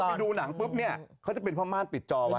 ไปดูหนังปุ๊บเนี่ยเขาจะเป็นผ้าม่านปิดจอไว้